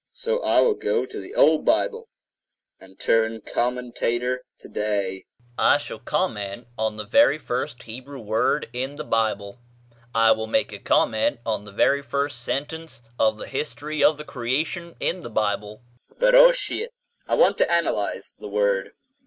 So I will go to the old Bible and turn commentator today. Meaning of the Hebrew Scriptures[edit] I shall comment on the very first Hebrew word in the Bible; I will make a comment on the very first sentence of the history of the creation in the Bible—Berosheit. I want to analyze the word.